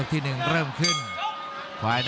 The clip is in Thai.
คมทุกลูกจริงครับโอ้โห